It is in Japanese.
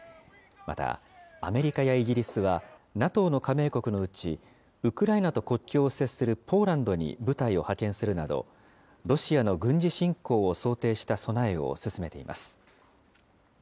また、アメリカやイギリスは、ＮＡＴＯの加盟国のうち、ウクライナと国境を接するポーランドに部隊を派遣するなど、ロシアの軍事侵攻を想定した備えを進めています。